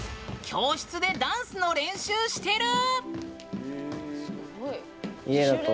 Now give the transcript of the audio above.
教室でダンスの練習してる！